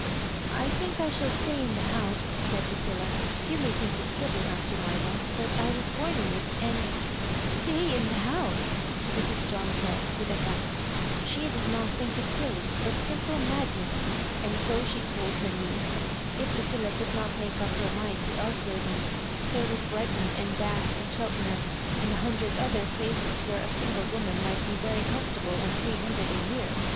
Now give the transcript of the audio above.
I think I shall stay in the house, " said Lu cilla; "you may think it silly, aunt Jemima, but I was born in it, and "'* Stay in the house 1 " Mrs. John said, with a gasp. She did not think it silly, but simple mad ness, and 80 she told her niece. If Lucilla could not make up her mind to Elsworthy's, there was Brighton and Bath and Cheltenham, and a hundred other places where a single woman might be very comfortable on three hundred a year.